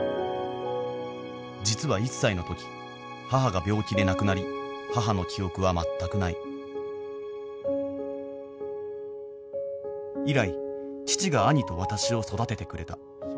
実は１歳の時母が病気で亡くなり母の記憶は全くない以来父が兄と私を育ててくれた。